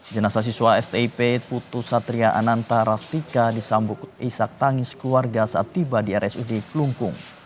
jenasa siswa stip putusatria ananta rastika disambuk isak tangis keluarga saat tiba di rsud kelungkung